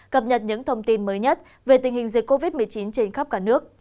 cập nhật những thông tin mới nhất về tình hình dịch covid một mươi chín trên khắp cả nước